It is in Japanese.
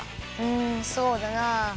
うんそうだな。